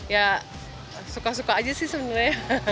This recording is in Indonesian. ya suka suka aja sih sebenarnya